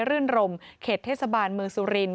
รื่นรมเขตเทศบาลเมืองสุรินท